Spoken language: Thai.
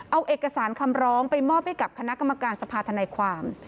เอาเอกสารคำร้องไปมอบให้กับคณะกรรมการสภาธนายความ